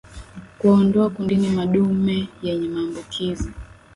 Kuwaondoa kundini madume yenye maambukizi